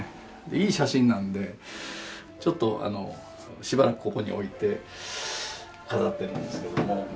いい写真なんでちょっとしばらくここに置いて飾ってるんですけども。